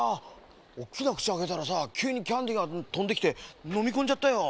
おっきなくちあけたらさきゅうにキャンディーがとんできてのみこんじゃったよ。